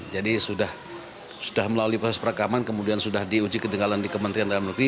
jadi sudah melalui proses perekaman kemudian sudah diuji ketinggalan di kementerian dalam negeri